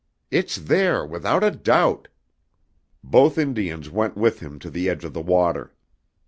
It's there without a doubt!" Both Indians went with him to the edge of the water.